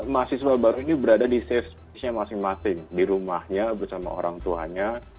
mahasiswa baru ini berada di safe space nya masing masing di rumahnya bersama orang tuanya